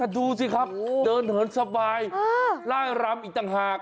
ดูสิครับเดินเหินสบายไล่รำอีกต่างหาก